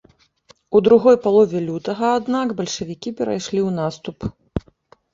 У другой палове лютага, аднак, бальшавікі перайшлі ў наступ.